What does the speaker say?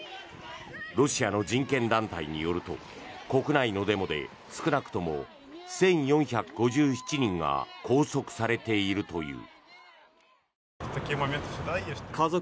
ロシアの人権団体によると国内のデモで少なくとも１４５７人が拘束されているという。